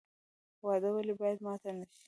وعده ولې باید ماته نشي؟